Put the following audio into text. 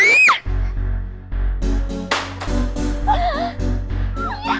aku tak mau